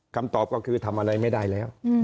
คำตอบก็คือทำอะไรไม่ได้แล้ว